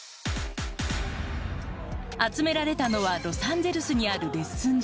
集められたのはロサンゼルスにあるレッスン場。